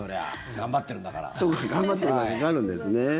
頑張ってるからかかるんですね。